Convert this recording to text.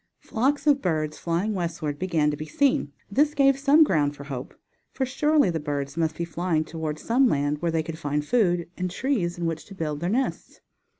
Flocks of birds flying westward began to be seen. This gave some ground for hope. For surely the birds must be flying toward some land where they could find food, and trees in which to build their nests.